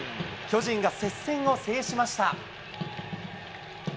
巨人が接戦を制しました。